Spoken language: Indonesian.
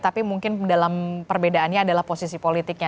tapi mungkin dalam perbedaannya adalah posisi politiknya